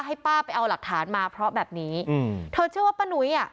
ให้ป้าไปเอาหลักฐานมาเพราะแบบนี้อืมเธอเชื่อว่าป้านุ้ยอ่ะ